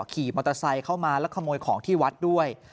ขี่มอเตอร์ไซค์เข้ามาแล้วขโมยของที่วัดด้วย